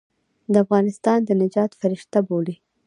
د افغانستان د نجات فرشته بولي.